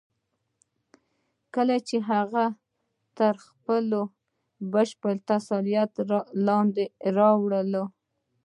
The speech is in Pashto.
کله چې هغه تر خپل بشپړ تسلط لاندې راولئ.